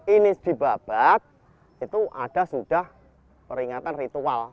ini dibabat itu ada sudah peringatan ritual